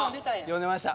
読んでました。